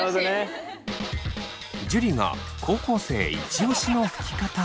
樹が高校生イチオシのふき方を。